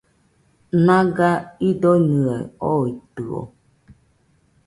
Naga idonɨaɨ oitɨo